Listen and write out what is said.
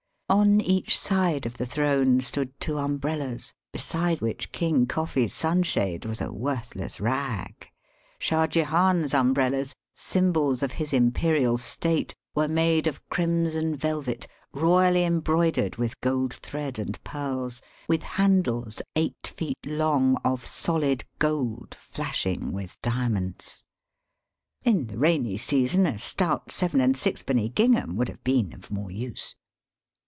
On each side of the throne stood two umbrellas, beside which King Coffee's sunshade was a worthless rag. Shah Jehan's umbrellas, symbols of his imperial state, were made of <5rimson velvet, royally embroidered with gold thread and pearls, with handles eight feet long of solid gold flashing with diamonds. In the rainy season a stout seven and sixpenny gingham would have been of more use.